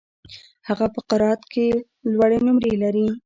هغه په قرائت کي لوړي نمرې لري.